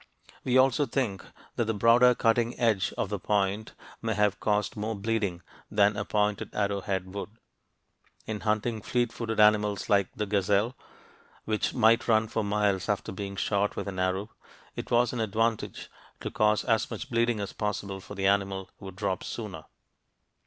We also think that the broader cutting edge of the point may have caused more bleeding than a pointed arrowhead would. In hunting fleet footed animals like the gazelle, which might run for miles after being shot with an arrow, it was an advantage to cause as much bleeding as possible, for the animal would drop sooner.